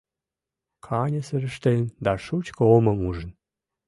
Каньысырештын да шучко омым ужын.